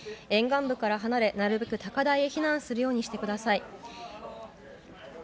沿岸部から離れなるべく高台へ避難するようにしてください。